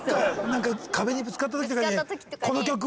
何か壁にぶつかった時とかにこの曲を。